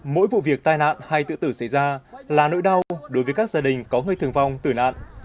mỗi vụ việc tai nạn hay tự tử xảy ra là nỗi đau đối với các gia đình có người thường vong tử nạn